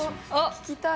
聞きたい。